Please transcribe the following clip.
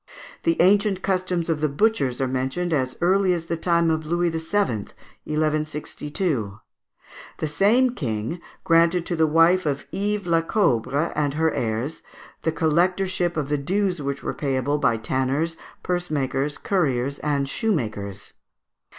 The ancient customs of the butchers are mentioned as early as the time of Louis VII., 1162. The same king granted to the wife of Ives Laccobre and her heirs the collectorship of the dues which were payable by tanners, purse makers, curriers, and shoemakers.